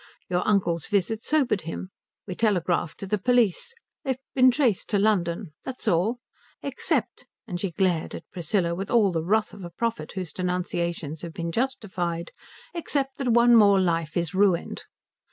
Your uncle's visit sobered him. We telegraphed to the police. They've been traced to London. That's all. Except," and she glared at Priscilla with all the wrath of a prophet whose denunciations have been justified, "except that one more life is ruined."